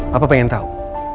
papa pengen tahu